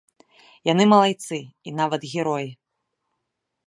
Яны малайцы і нават героі.